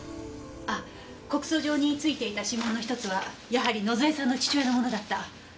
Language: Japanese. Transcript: あっ告訴状に付いていた指紋の１つはやはり野添さんの父親のものだった。